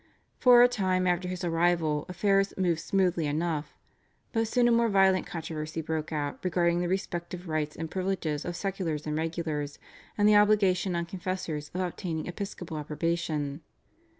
For a time after his arrival affairs moved smoothly enough, but soon a more violent controversy broke out regarding the respective rights and privileges of seculars and regulars, and the obligation on confessors of obtaining episcopal approbation.